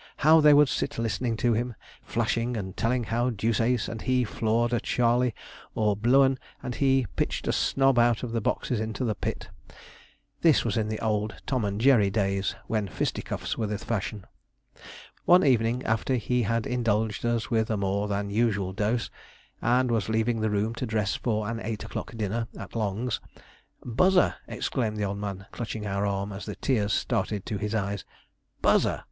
How they would sit listening to him, flashing, and telling how Deuceace and he floored a Charley, or Blueun and he pitched a snob out of the boxes into the pit. This was in the old Tom and Jerry days, when fisticuffs were the fashion. One evening, after he had indulged us with a more than usual dose, and was leaving the room to dress for an eight o'clock dinner at Long's, 'Buzzer!' exclaimed the old man, clutching our arm, as the tears started to his eyes, 'Buzzer!